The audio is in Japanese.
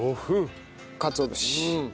かつお節。